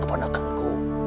tenanglah keponakan ku